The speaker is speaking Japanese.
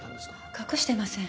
隠してません。